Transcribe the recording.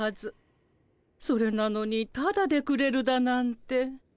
それなのにタダでくれるだなんて。